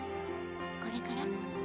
これから。